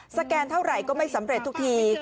แกนเท่าไหร่ก็ไม่สำเร็จทุกที